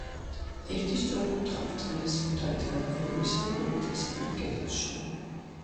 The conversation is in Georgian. ერთი სწორკუთხა, ბრტყელი ზღუდარით გადახურული სარკმელი დასავლეთ კედელშია.